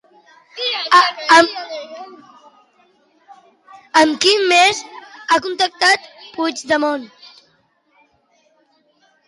Amb qui més ha contactat Puigdemont?